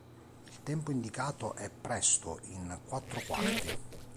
Il tempo indicato è "”Presto”" in quattro quarti.